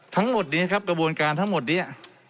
ทั้งหมดนี้ครับกระบวนการทั้งหมดนี้